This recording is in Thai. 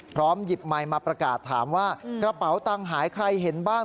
พร้อมหยิบใหม่มาประกาศถามว่ากระเป๋าตังหายใครเห็นบ้าง